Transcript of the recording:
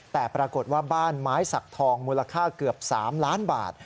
แต่ปรากฏว่าบ้านไม้สักทองมูลค่าเกือบ๓ล้านบาท